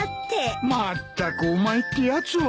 まったくお前ってやつは。